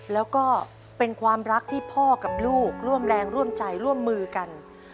แล้วก็เป็นความรักที่พ่อกับลูกร่วมแรงร่วมใจร่วมมือกัน